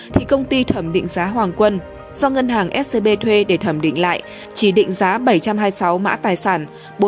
thì công ty thẩm định giá hoàng quân do ngân hàng scb thuê để thẩm định lại chỉ định giá bảy trăm hai mươi sáu mã tài sản